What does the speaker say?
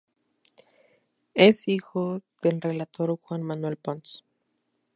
Es hijo del relator Juan Manuel Pons.